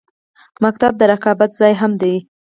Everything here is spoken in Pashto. ښوونځی د رقابت ځای هم دی